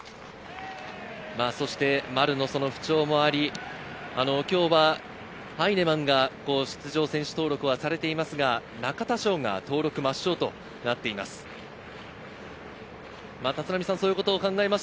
丸の不調もあり今日はハイネマンが出場選手登録はされていますが、中田翔が登録抹消となっています。